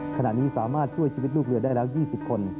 ขณะนี้สามารถช่วยชีวิตลูกเรือได้แล้ว๒๐คน